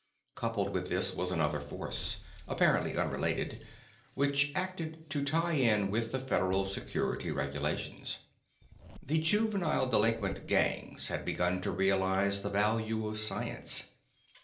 Coupled with this was another force apparently unrelated which acted to tie in with the Federal security regulations. The juvenile delinquent gangs had begun to realize the value of science.